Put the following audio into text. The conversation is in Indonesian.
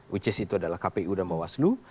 which is itu adalah kpu dan bawaslu